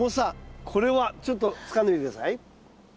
これはちょっとつかんでみて下さい。